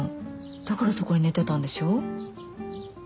だからそこに寝てたんでしょ。